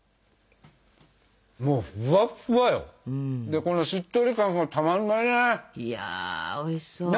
でこのしっとり感がたまんないね。